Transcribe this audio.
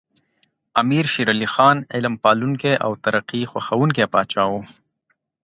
امیر شیر علی خان علم پالونکی او ترقي خوښوونکی پاچا و.